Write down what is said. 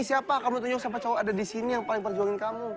siapa kamu tunjuk siapa cowok ada disini yang paling berjuangin kamu